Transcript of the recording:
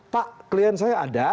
pak klien saya ada